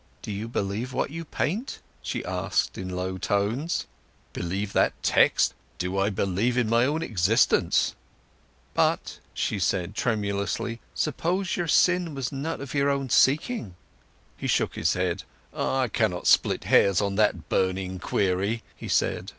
"Do you believe what you paint?" she asked in low tones. "Believe that tex? Do I believe in my own existence!" "But," said she tremulously, "suppose your sin was not of your own seeking?" He shook his head. "I cannot split hairs on that burning query," he said.